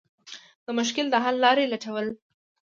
د مشکل د حل لارې لټول.